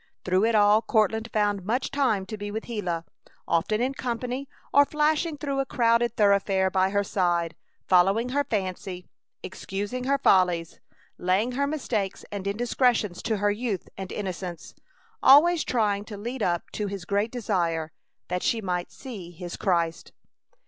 Through it all Courtland found much time to be with Gila; often in company, or flashing through a crowded thoroughfare by her side; following her fancy; excusing her follies; laying her mistakes and indiscretions to her youth and innocence; always trying to lead up to his great desire, that she might see his Christ.